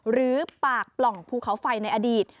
หรือปากปล่องภูเขาไฟในอดีต